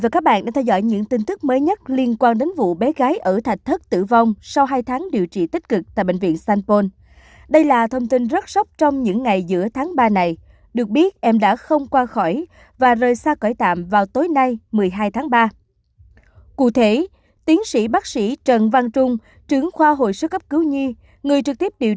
các bạn hãy đăng ký kênh để ủng hộ kênh của chúng mình nhé